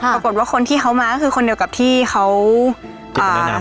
ปรากฏว่าคนที่เขามาก็คือคนเดียวกับที่เขาอ่า